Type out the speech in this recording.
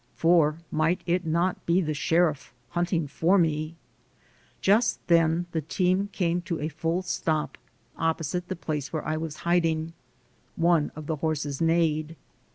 For might it not be the sheriff hunting for me? Just then the team came to a full stop opposite the place where I was hiding. One of the horses neighed.